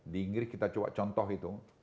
di inggris kita coba contoh itu